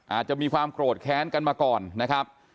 อาจจะมีความโกรธแค้นกันมาก่อนนะครับ